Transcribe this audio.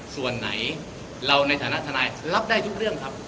ส่วนไหนเราในฐานะทนายรับได้ทุกเรื่องครับ